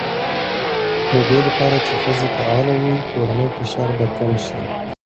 د دې لپاره چې ښځې فعاله وي، کورنی فشار به کم شي.